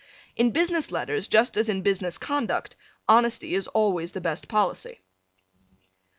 In business letters, just as in business conduct, honesty is always the best policy.